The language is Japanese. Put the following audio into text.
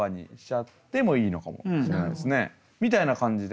みたいな感じで。